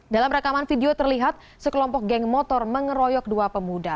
dalam rekaman video terlihat sekelompok geng motor mengeroyok dua pemuda